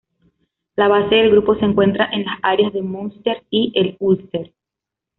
La base del grupo se encuentra en las áreas de Munster y el Ulster.